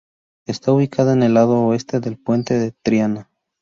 Está ubicada en el lado oeste del Puente de Triana.